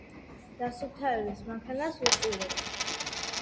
დასუფთავების მანქანას" უყურებთ.